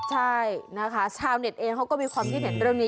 ใช่นะคะชาวเน็ตเองเขาก็มีความคิดเห็นเรื่องนี้